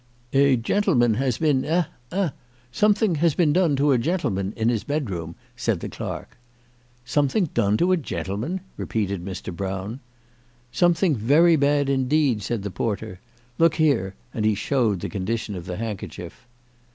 "A gentleman has been eh eh . Something has been done to a gentleman in his bedroom," said the clerk. " Something done to a gentleman !" repeated Mr. Brown. " Something very bad indeed," said the porter. " Look here," and he showed the condition of the handkerchief.